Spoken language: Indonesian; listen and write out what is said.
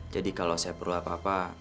jadi kalau saya perlu apa apa